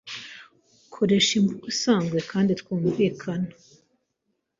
Dukoreshe imvugo isanzwe kandi twumvikana